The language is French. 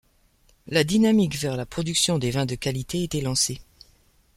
La dynamique vers la production des vins de qualité était lancée.